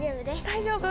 大丈夫？